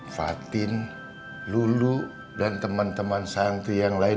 fatin lulu dan teman teman santri yang lain